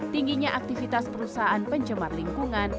tingginya aktivitas perusahaan pencemar lingkungan